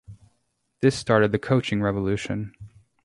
This started the coaching revolution.